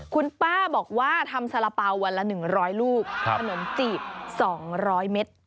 คุณป้าบอกว่าทำสระเป๋าวันละหนึ่งร้อยลูกขนมจี๋วสองร้อยเม็ด